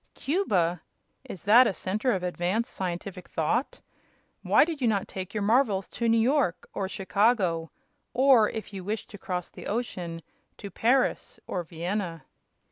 "Cuba! Is that a center of advanced scientific thought? Why did you not take your marvels to New York or Chicago; or, if you wished to cross the ocean, to Paris or Vienna?"